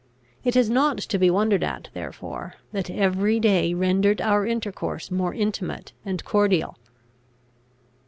It is not to be wondered at, therefore, that every day rendered our intercourse more intimate and cordial.